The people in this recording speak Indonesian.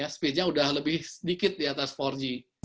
speednya udah lebih sedikit di atas empat g